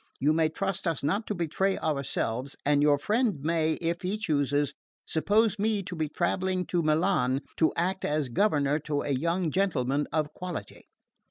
You may trust us not to betray ourselves; and your friend may, if he chooses, suppose me to be travelling to Milan to act as governor to a young gentleman of quality."